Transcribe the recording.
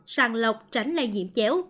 sàng lọc tránh lây nhiễm chéo